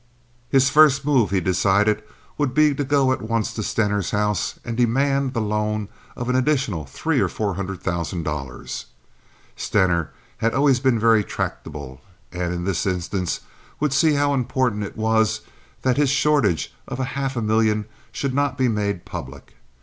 His first move, he decided, would be to go at once to Stener's house and demand the loan of an additional three or four hundred thousand dollars. Stener had always been very tractable, and in this instance would see how important it was that his shortage of half a million should not be made public.